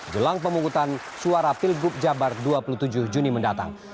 jelang pemungutan suara pilgub jabar dua puluh tujuh juni mendatang